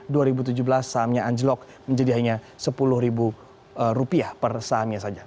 tahun dua ribu tujuh belas sahamnya anjlok menjadi hanya sepuluh ribu rupiah per sahamnya saja